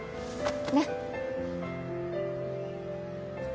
ねっ。